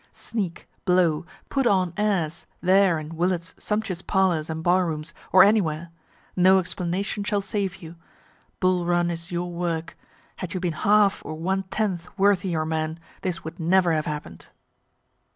Sneak, blow, put on airs there in Willard's sumptuous parlors and bar rooms, or anywhere no explanation shall save you. Bull Run is your work; had you been half or one tenth worthy your men, this would never have happen'd.)